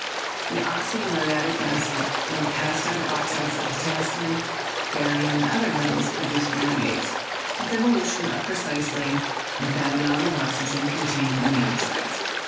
The "oxymuriatic acid/' when passed over oxides of potassium, barium, and other metals, produced "muriates" with evolution of precisely that amount of oxygen contained in the oxides.